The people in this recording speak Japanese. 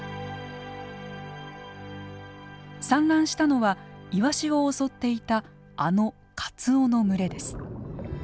産卵したのはイワシを襲っていたあのカツオの群れです。